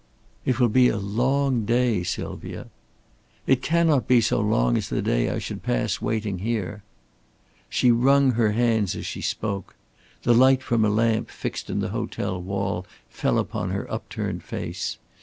"It will be a long day, Sylvia." "It cannot be so long as the day I should pass waiting here." She wrung her hands as she spoke. The light from a lamp fixed in the hotel wall fell upon her upturned face.